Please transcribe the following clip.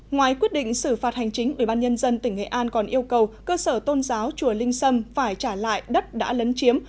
ngoài quyết định xử phạt hành chính ubnd tỉnh nghệ an còn yêu cầu cơ sở tôn giáo chùa linh sâm phải trả lại đất đã lấn chiếm